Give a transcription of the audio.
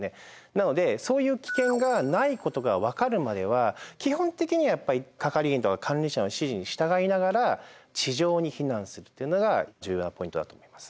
なのでそういう危険がないことが分かるまでは基本的にはやっぱり係員とか管理者の指示に従いながら地上に避難するっていうのが重要なポイントだと思います。